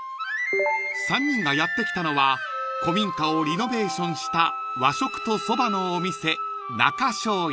［３人がやって来たのは古民家をリノベーションした和食とそばのお店］